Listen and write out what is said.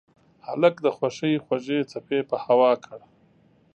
هلک د خوښۍ خوږې څپې په هوا کړ.